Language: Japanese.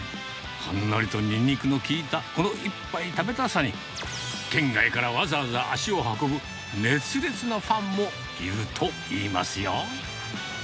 ほんのりとにんにくの効いたこの一杯食べたさに、県外からわざわざ足を運ぶ熱烈なファンもいるといいますよ。